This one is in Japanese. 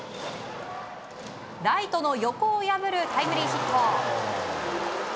ライトの横を破るタイムリーヒット。